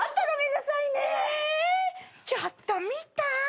ちょっと見た？